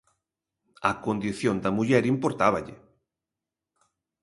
A condición da muller importáballe.